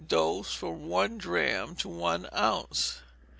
Dose, from one drachm to one ounce.